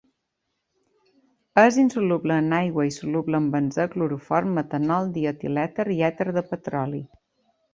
És insoluble en aigua i soluble en benzè, cloroform, metanol, dietilèter i èter de petroli.